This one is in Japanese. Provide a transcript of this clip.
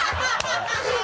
ハハハ